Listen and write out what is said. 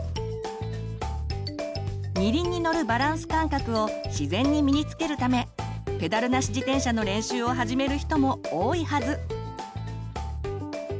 「二輪」に乗るバランス感覚を自然に身につけるためペダルなし自転車の練習を始める人も多いはず。